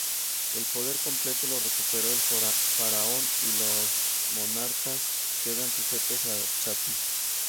El poder completo lo recuperó el faraón, y los nomarcas quedan sujetos al chaty.